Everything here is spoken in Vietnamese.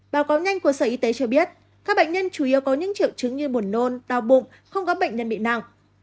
báo cáo nhanh của sở y tế cho biết các bệnh nhân chủ yếu có những triệu chứng như buồn nôn đau bụng không có bệnh nhân bị nặng